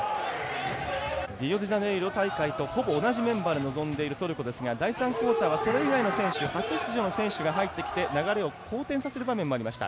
リオデジャネイロ大会とほぼ同じメンバーで臨んでいるトルコですが第３クオーターはそれ以外の選手初出場の選手が出てきて流れを好転させる場面もありました。